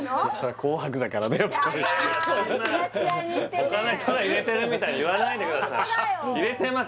他の人が入れてるみたいに言わないでください